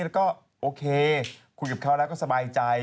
แล้วก็โอเคคุยกับเขาแล้วก็สบายใจ